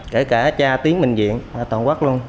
kể cả cha tiến bệnh viện toàn quắc luôn